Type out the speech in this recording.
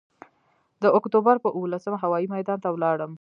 د اکتوبر پر اوولسمه هوايي میدان ته ولاړم.